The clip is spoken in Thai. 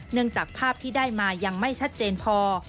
จากภาพที่ได้มายังไม่ชัดเจนพอ